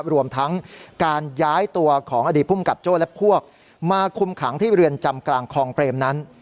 รวมทั้งการย้ายตัวของอดีตภูมิกับโจ้และพวกมาคุมขังที่เรือนจำกลางคลองเปรมนั้น